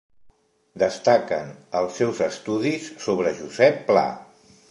Destaquen els seus estudis sobre Josep Pla.